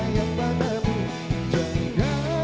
yang ter decid